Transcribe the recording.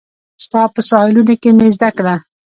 ستا په ساحلونو کې مې زده کړه